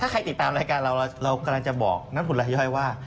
ถ้าใครติดตามรายการเราเรากำลังจะบอกนักทุนรายย่อยว่า